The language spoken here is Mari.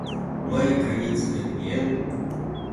Мый, границе дек миен